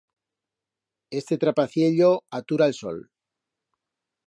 Este trapaciello atura el sol.